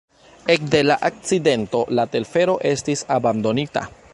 Ekde la akcidento la telfero estis abandonita.